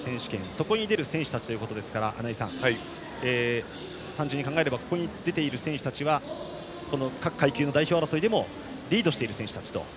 そこに出る選手たちということですから穴井さん、単純に考えるとここに出ている選手は各階級の代表争いでもリードしている選手たちと。